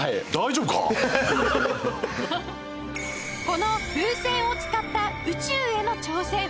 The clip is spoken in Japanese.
この風船を使った宇宙への挑戦